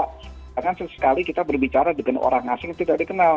karena sekali sekali kita berbicara dengan orang asing tidak dikenal